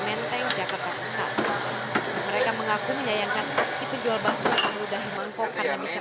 dan jogja ke pusat mereka mengaku menyayangkan si penjual baso yang mudah mengkok karena bisa